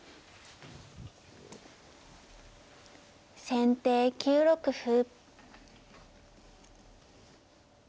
先手９六歩。